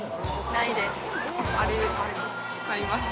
ないです。